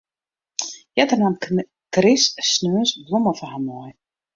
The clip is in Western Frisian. Earder naam Chris sneons blommen foar har mei.